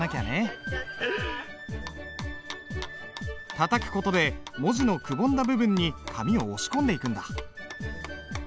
たたく事で文字のくぼんだ部分に紙を押し込んでいくんだ。